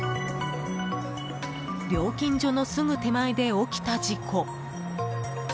料金所のすぐ手前で起きた事故。